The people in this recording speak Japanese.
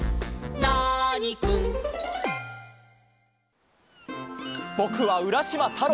ナーニくん」ぼくはうらしまたろう。